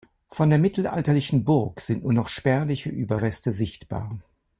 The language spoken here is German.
Von der mittelalterlichen Burg sind nur noch spärliche Überreste sichtbar.